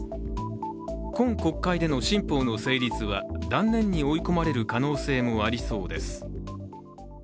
今国会での新法の成立は断念に追い込まれる可能性もありそうです。